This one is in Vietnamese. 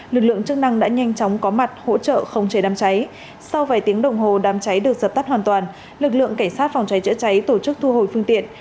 lực lượng chức năng đã nhanh chóng có mặt hỗ trợ không chế đám cháy sau vài tiếng đồng hồ đám cháy được dập tắt hoàn toàn lực lượng cảnh sát phòng cháy chữa cháy tổ chức thu hồi phương tiện